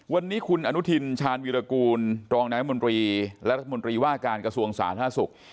วันนี้คุณอนุทินชาญวิรากูลรองนายมนตรีและรัฐมนตรีว่าการกระทรวงสาธารณสุข